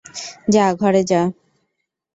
যা ঘরে যা।